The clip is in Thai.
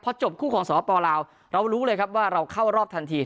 พอจบคู่ของสปลาวเรารู้เลยครับว่าเราเข้ารอบทันที